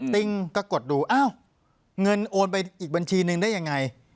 ติ้งก็กดดูอ้าวเงินโอนไปอีกบัญชีนึงได้ยังไง